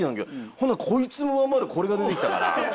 そしたらこいつも上回るこれが出てきたから。